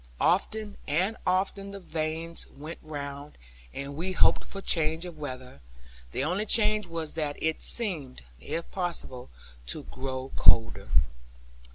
Often and often the vanes went round, and we hoped for change of weather; the only change was that it seemed (if possible) to grow colder.